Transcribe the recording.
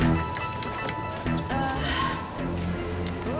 gue masuk duluan ya